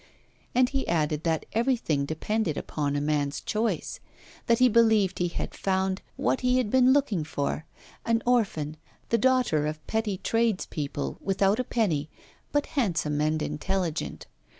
And he added that everything depended upon a man's choice that he believed he had found what he had been looking for, an orphan, the daughter of petty tradespeople, without a penny, but handsome and intelligent.